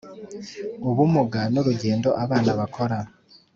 ubumuga n urugendo abana bakora